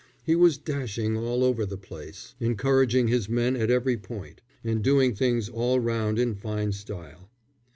He was dashing all over the place, encouraging his men at every point, and doing things all round in fine style.